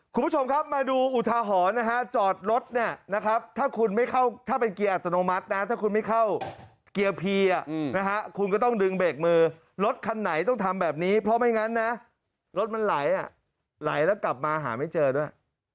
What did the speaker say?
คุณผู้ชมครับมาดูอุทาหรณ์นะฮะจอดรถเนี่ยนะครับถ้าคุณไม่เข้าถ้าเป็นเกียร์อัตโนมัตินะถ้าคุณไม่เข้าเกียร์พีอ่ะนะฮะคุณก็ต้องดึงเบรกมือรถคันไหนต้องทำแบบนี้เพราะไม่งั้นนะรถมันไหลอ่ะไหลแล้วกลับมาหาไม่เจอด้วย